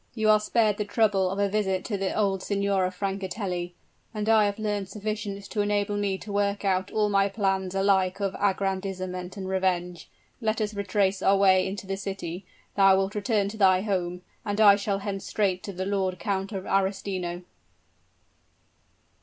"You are spared the trouble of a visit to the old Signora Francatelli; and I have learned sufficient to enable me to work out all my plans alike of aggrandizement and revenge. Let us retrace our way into the city; thou wilt return to thy home and I shall hence straight to the Lord Count of Arestino."